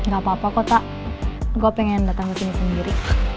gak apa apa kok tak gue pengen datang ke sini sendiri